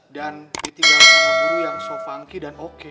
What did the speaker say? dan ditinggal sama guru yang so funky dan so keren